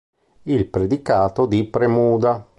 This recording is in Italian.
Il predicato di Premuda.